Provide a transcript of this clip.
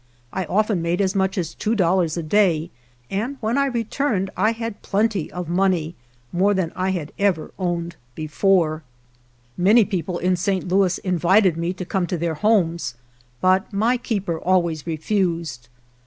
I often made as much as two dollars a day, and when I returned I had plenty of money — more than I had ever owned before. 197 GERONIMO Many people in St. Louis invited me to come to their homes, but my keeper always refused.